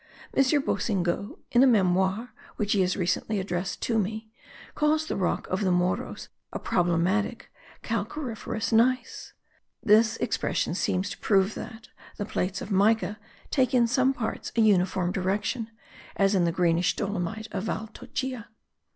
M. Boussingault, in a memoir which he has recently addressed to me, calls the rock of the Morros a problematic calcariferous gneiss. This expression seems to prove that the plates of mica take in some parts a uniform direction, as in the greenish dolomite of Val Toccia.